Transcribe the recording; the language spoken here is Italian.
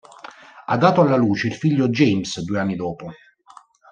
Ha dato alla luce il figlio James due anni dopo.